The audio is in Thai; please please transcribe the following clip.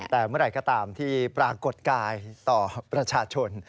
แต่เมื่อไหร่ก็ตามที่ปรากฏกายต่อประชาชน